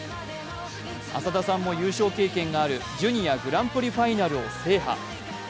浅田さんも優勝経験があるジュニアグランプリファイナルを制覇。